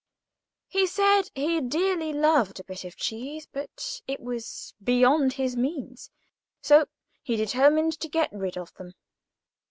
He said he dearly loved a bit of cheese, but it was beyond his means; so he determined to get rid of them.